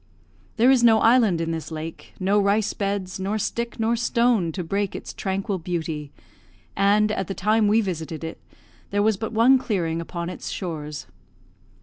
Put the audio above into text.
There is no island in this lake, no rice beds, nor stick nor stone to break its tranquil beauty, and, at the time we visited it, there was but one clearing upon its shores.